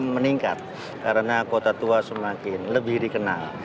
meningkat karena kota tua semakin lebih dikenal